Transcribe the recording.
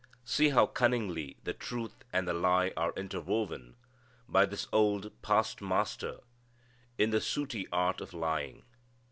See how cunningly the truth and the lie are interwoven by this old past master in the sooty art of lying.